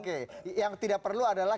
oke yang tidak perlu adalah